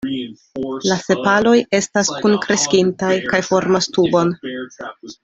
La sepaloj estas kunkreskintaj kaj formas tubon.